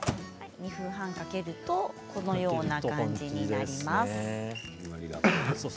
２分半かけるとこのような感じになります。